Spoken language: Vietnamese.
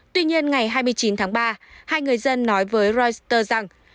tuy nhiên ngày hai mươi chín tháng ba hai người dân nói với reuters rằng